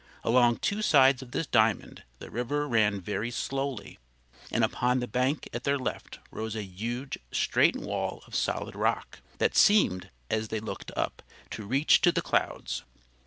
Along two sides of this diamond the river ran very slowly, and upon the bank at their left rose a huge, straight wall of solid rock, that seemed, as they looked up, to reach to the clouds.